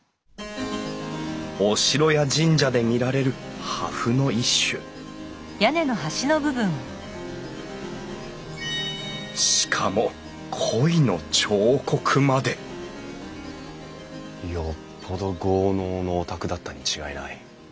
お城や神社で見られる破風の一種しかも鯉の彫刻までよっぽど豪農のお宅だったに違いない。